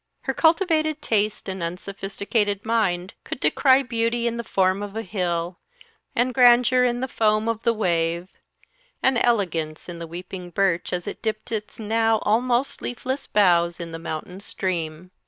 Her cultivated taste and unsophisticated mind could descry beauty in the form of a hill, and grandeur in the foam of the wave, and elegance in the weeping birch, as it dipped its now almost leafless boughs in the mountain stream.